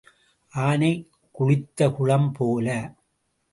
ஆனை குளித்த குளம் போல.